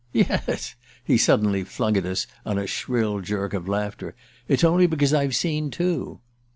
"Yes," he suddenly flung at us on a shrill jerk of laughter; "it's only because I've seen two!"